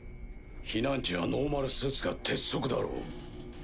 避難時はノーマルスーツが鉄則だろう。